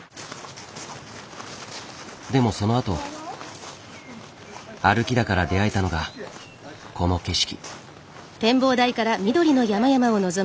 でもそのあと歩きだから出会えたのがこの景色。